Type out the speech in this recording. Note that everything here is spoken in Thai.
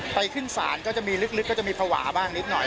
ไปขึ้นศาลก็จะมีลึกก็จะมีภาวะบ้างนิดหน่อย